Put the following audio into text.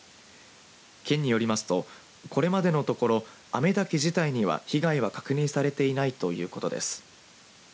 県によりますとこれまでのところ雨滝自体には被害は確認されていないということです。